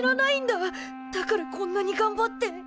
だからこんなにがんばって。